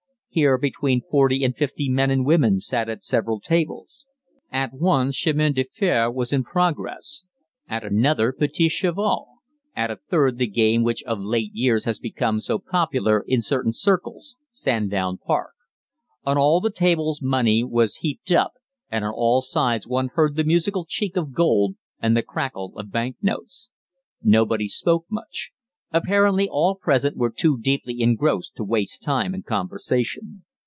Here between forty and fifty men and women sat at several tables. At one chemin de fer was in progress; at another petits chevaux; at a third the game which of late years has become so popular in certain circles "Sandown Park." On all the tables money was heaped up, and on all sides one heard the musical chink of gold and the crackle of bank notes. Nobody spoke much. Apparently all present were too deeply engrossed to waste time in conversation.